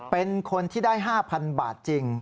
เป็นคนที่ได้๕๐๐๐บาทจริง